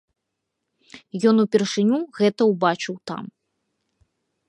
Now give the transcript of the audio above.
Ён упершыню гэта ўбачыў там.